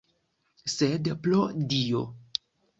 Sed, pro Dio!